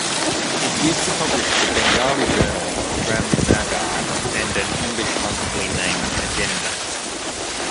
It used to publish the Bengali journal Gram-Nagar and an English monthly named Agenda.